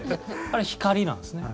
あれ光なんですね。